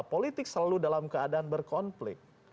politik selalu dalam keadaan berkonflik